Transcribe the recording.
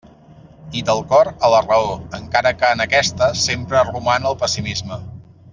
I del cor a la raó, encara que en aquesta sempre roman el pessimisme.